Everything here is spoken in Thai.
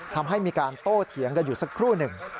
ทำให้มีการโต้เถียงกันอยู่สักครู่หนึ่ง